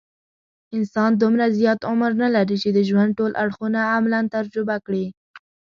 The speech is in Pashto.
انسان دومره زیات عمر نه لري، چې د ژوند ټول اړخونه عملاً تجربه کړي.